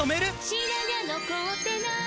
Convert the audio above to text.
「白髪残ってない！」